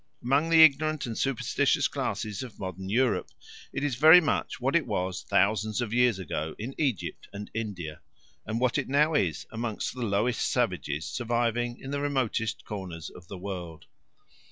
Among the ignorant and superstitious classes of modern Europe it is very much what it was thousands of years ago in Egypt and India, and what it now is among the lowest savages surviving in the remotest corners of the world.